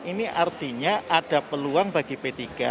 ini artinya ada peluang bagi p tiga